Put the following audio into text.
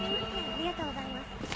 ありがとうございます。